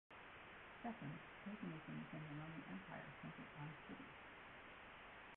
Second, paganism within the Roman Empire centered on cities.